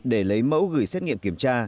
để lấy mẫu gửi xét nghiệm kiểm tra